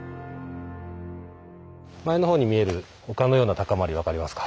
前の方に見える丘のような高まり分かりますか？